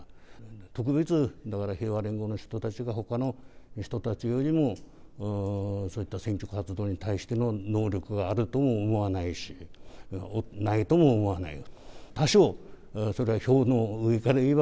特別、だから平和連合の人たちがほかの人たちよりも、そういった選挙活動に対しての能力があるとも思わないし、ないとも思わないよ。